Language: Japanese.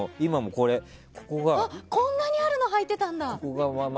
こんなにあるのはいてたんだ！